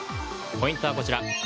ポイントはこちら。